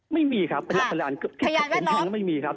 ไม่มีครับประสาทมีทางไม่มีครับ